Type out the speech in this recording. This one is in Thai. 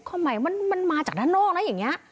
ทำไมมันมาจากด้านนอกนะอย่างนี้